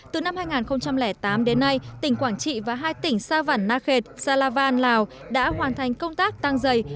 từ năm hai nghìn tám đến nay tỉnh quảng trị và hai tỉnh sa văn nác hệt sa lavan lào đã hoàn thành công tác tăng dày